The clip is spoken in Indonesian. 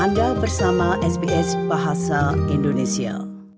anda bersama sbs bahasa indonesia